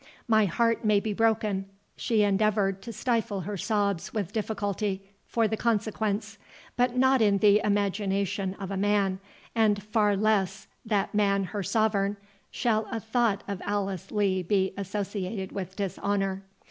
My heart may be broken"—she endeavoured to stifle her sobs with difficulty—"for the consequence; but not in the imagination of a man, and far less that man her sovereign, shall a thought of Alice Lee be associated with dishonour."